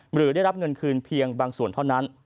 หรือได้รับเงินคืนเพียงบางส่วนเท่านั้น